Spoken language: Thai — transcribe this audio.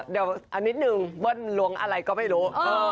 เดี๋ยวนิดนึงเบิ้ลล้วงอะไรก็ไม่รู้